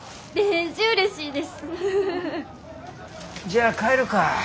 じゃあ帰るか。